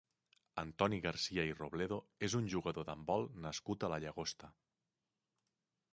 Antoni Garcia i Robledo és un jugador d'handbol nascut a la Llagosta.